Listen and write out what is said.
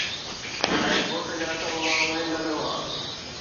شايد ڳوٺ جا سڀ ماڻهو ننڊ ۾ هئا